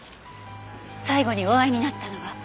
最後にお会いになったのは？